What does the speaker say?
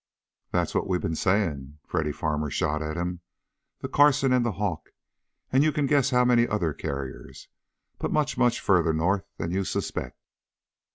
"That's what we've been saying," Freddy Farmer shot at him. "The Carson, the Hawk, and you can guess how many other carriers. But much, much farther north than you suspect."